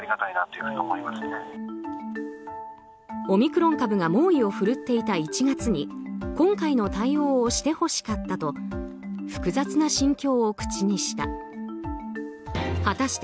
オミクロン株が猛威を振るっていた１月に今回の対応をしてほしかったと複雑な心境を口にした。